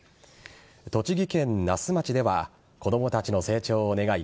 栃木県那須町では子供たちの成長を願い